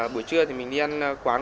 bữa trưa thì mình đi ăn quán